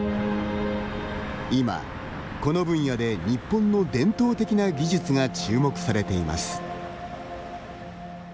今、この分野で日本の伝統的な技術が注目されています。